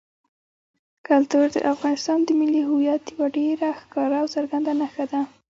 کلتور د افغانستان د ملي هویت یوه ډېره ښکاره او څرګنده نښه ده.